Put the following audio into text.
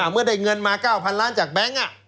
เมื่อได้เงินมา๙๐๐ล้านจากแบงค์